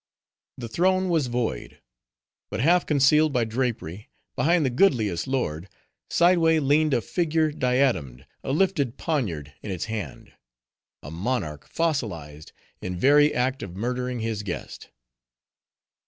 The throne was void. But half concealed by drapery, behind the goodliest lord, sideway leaned a figure diademed, a lifted poniard in its hand:—a monarch fossilized in very act of murdering his guest.